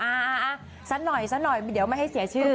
อ่าสัดหน่อยเดี๋ยวไม่ให้เสียชื่อ